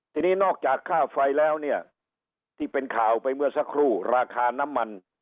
ทีนี้นอกจากค่าไฟแล้วเนี่ยที่เป็นข่าวไปเมื่อสักครู่ราคาน้ำมัน